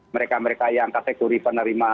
mereka mereka yang kategori penerima